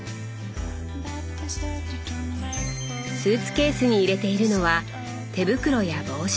スーツケースに入れているのは手袋や帽子。